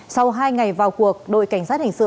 sau hai ngày vào cuộc đội cảnh sát hình sự